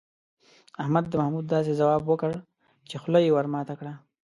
احمد د محمود داسې ځواب وکړ، چې خوله یې ور ماته کړه.